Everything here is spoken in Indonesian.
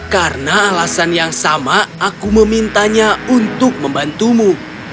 karena alasan yang sama aku memintanya untuk membantumu